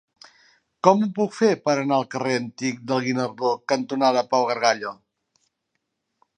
Com ho puc fer per anar al carrer Antic del Guinardó cantonada Pau Gargallo?